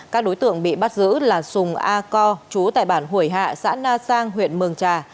các đối tượng bị bắt giữ là sùng a co chú tại bản hủy hạ xã na sang huyện mường trà